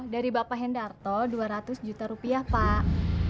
dari bapak hendarto dua ratus juta rupiah pak